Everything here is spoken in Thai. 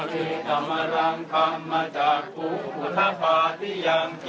มีผู้ที่ได้รับบาดเจ็บและถูกนำตัวส่งโรงพยาบาลเป็นผู้หญิงวัยกลางคน